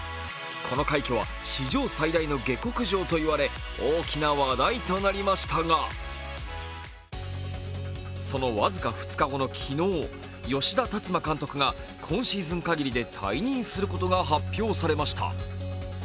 この快挙は史上最大の下克上と言われ大きな話題となりましたがその僅か２日後の昨日、吉田達磨監督が今シーズン限りで退任することが発表されました。